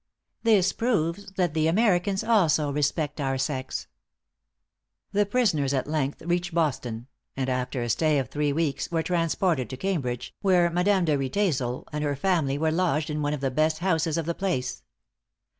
This proves that the Americans also respect our sex." The prisoners at length reached Boston; and after a stay of three weeks, were transported to Cambridge, where Madame de Riedesel and her family were lodged in one of the best houses of the place.